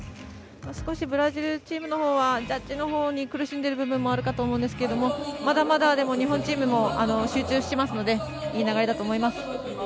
少しブラジルチームのほうはジャッジのほうに苦しんでいる部分もあると思いますけどまだまだ日本チームも集中していますのでいいと思います。